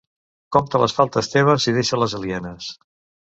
Compta les faltes teves i deixa les alienes.